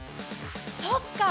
そっか！